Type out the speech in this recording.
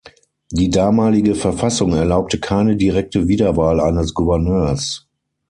Die damalige Verfassung erlaubte keine direkte Wiederwahl eines Gouverneurs.